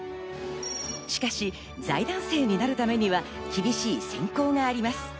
しかし、財団生になるためには厳しい選考があります。